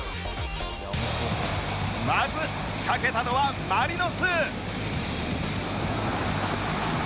まず仕掛けたのはマリノス